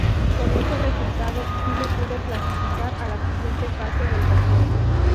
Con ese resultado Chile pudo clasificar a la siguiente fase del torneo.